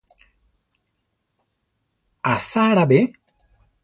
¿Asáala be?